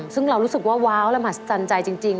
ซึ่งเรารู้สึกว่าว้าวและมหัศจรรย์ใจจริง